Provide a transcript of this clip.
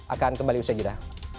akan kembali usia jeda